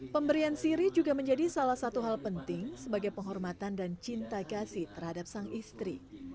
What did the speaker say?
pemberian siri juga menjadi salah satu hal penting sebagai penghormatan dan cinta kasih terhadap sang istri